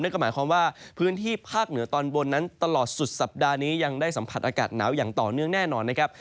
ก็หมายความว่าพื้นที่ภาคเหนือตอนบนนั้นตลอดสุดสัปดาห์นี้ยังได้สัมผัสอากาศหนาวอย่างต่อเนื่องแน่นอนนะครับ